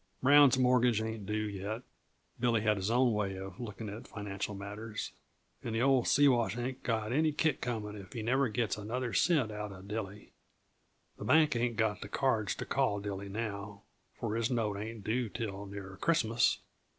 Brown's mortgage ain't due yet" (Billy had his own way of looking at financial matters) "and the old Siwash ain't got any kick comin' if he never gets another cent out uh Dilly. The bank ain't got the cards to call Dilly now, for his note ain't due till near Christmas.